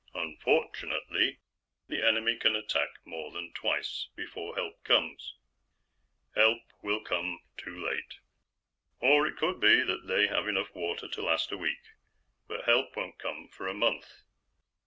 Unfortunately, the enemy can attack more than twice before help comes. Help will come too late. "Or, it could be that they have enough water to last a week, but help won't come for a month.